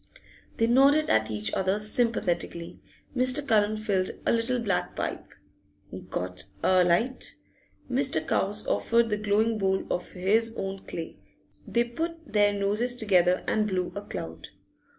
They nodded at each other sympathetically. Mr. Cullen filled a little black pipe. 'Got alight?' Mr. Cowes offered the glowing bowl of his own clay; they put their noses together and blew a cloud.